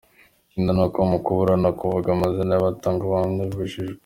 Ikindi ni uko mu kuburana, kuvuga amazina y’abatangabuhamya bibujijwe.